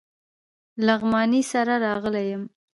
لغمانی سره راغلی یم.